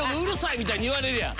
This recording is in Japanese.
みたいに言われるやん。